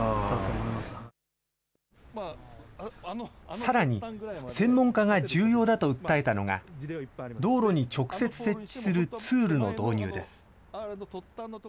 さらに、専門家が重要だと訴えたのが、道路に直接設置するツールの導入です。